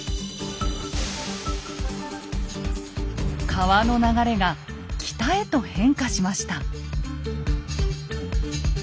川の流れが北へと変化しました。